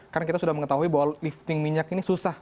karena kita sudah mengetahui bahwa lifting minyak ini susah